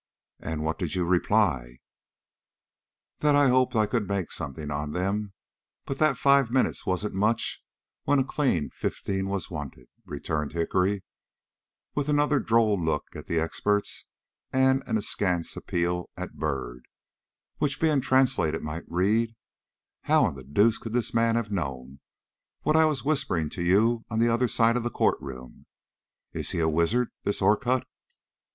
"And what did you reply?" "That I hoped I could make something on them; but that five minutes wasn't much when a clean fifteen was wanted," returned Hickory, with another droll look at the experts and an askance appeal at Byrd, which being translated might read: "How in the deuce could this man have known what I was whispering to you on the other side of the court room? Is he a wizard, this Orcutt?"